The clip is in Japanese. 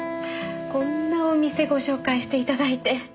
こんなお店ご紹介していただいて。